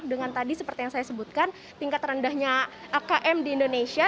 dengan tadi seperti yang saya sebutkan tingkat rendahnya akm di indonesia